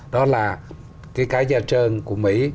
đó là cái cá da trơn của mỹ